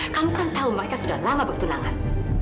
kamu kan tahu mereka sudah lama bertunangan